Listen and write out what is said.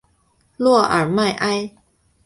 洛尔迈埃。